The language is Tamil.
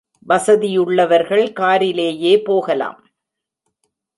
வசதியுள்ளவர்கள் காரிலேயே போகலாம்.